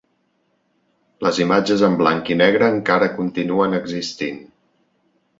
Les imatges en blanc i negre encara continuen existint.